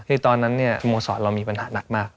คือตอนนั้นเนี่ยสโมสรเรามีปัญหาหนักมาก